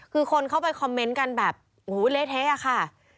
คือคนเข้าไปคอมเมนต์กันแบบโอ้โหเละเทะอะค่ะ